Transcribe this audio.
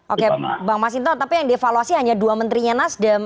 oke bang mas hinton tapi yang diavaluasi hanya dua menterinya nasdem